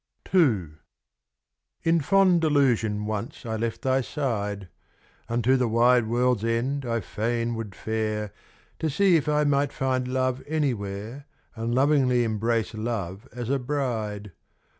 II. In fond delusion once I left thy side; Unto the wide world's end I fain would fare, To see if I might find Love anywhere, And lovingly embrace Love as a bride.